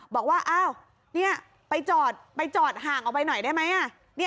บอกว่าไปจอดห่างออกไปหน่อยได้ไหม